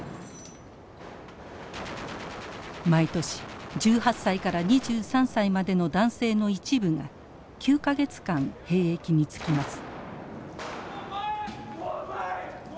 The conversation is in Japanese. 毎年１８歳から２３歳までの男性の一部が９か月間兵役に就きます。